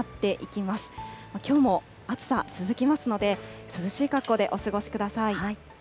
きょうも暑さ続きますので、涼しい格好でお過ごしください。